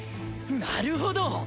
なるほど！